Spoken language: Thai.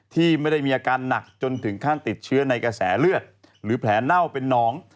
ที่ไม่ได้มีอาการหนักจนถึงขั้นติดเชื้อในกระแสเลือดหรือแผลเน่าเป็นน้อง